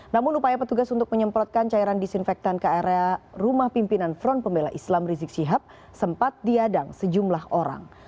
namun upaya petugas untuk menyemprotkan cairan disinfektan ke area rumah pimpinan front pembela islam rizik syihab sempat diadang sejumlah orang